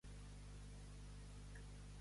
Barbes majors treuen els menors.